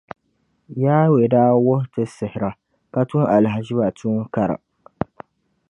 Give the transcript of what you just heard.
Yawɛ daa wuhi ti shihira ka tum alahiziba tuun’ kara.